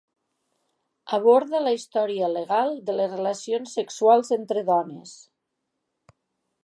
Aborda la història legal de les relacions sexuals entre dones.